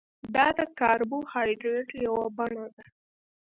دا د کاربوهایډریټ یوه بڼه ده